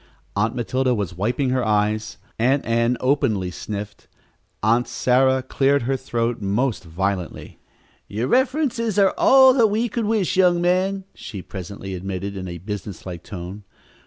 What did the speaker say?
Aunt Matilda was wiping her eyes. Aunt Ann openly sniffled. Aunt Sarah cleared her throat most violently. "Your references are all that we could wish, young man," she presently admitted in a businesslike tone.